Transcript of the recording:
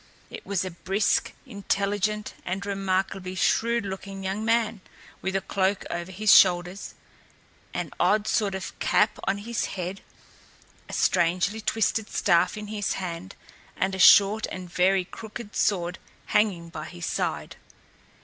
It was a brisk, intelligent and remarkably shrewd looking young man, with a cloak over his shoulders, an odd sort of cap on his head, a strangely twisted staff in his hand and a short and very crooked sword hanging by his side.